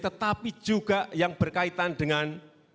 tetapi juga yang berkaitan dengan